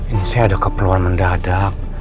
ini saya ada keperluan mendadak